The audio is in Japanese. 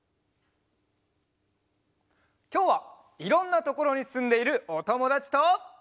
きょうはいろんなところにすんでいるおともだちと。